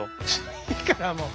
いいからもう。